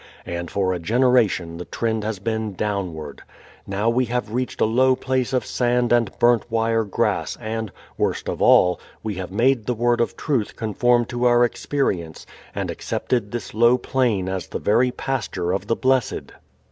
And for a generation the trend has been downward. Now we have reached a low place of sand and burnt wire grass and, worst of all, we have made the Word of Truth conform to our experience and accepted this low plane as the very pasture of the blessed.